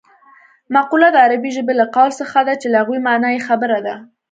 مقوله د عربي ژبې له قول څخه ده چې لغوي مانا یې خبره ده